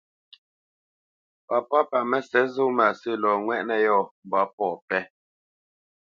Papá pa Mə́sɛ̌t zó mâsə̂ lɔ ŋwɛ́ʼnə̄ yɔ̂ mbwǎ pɔ̂ pɛ́.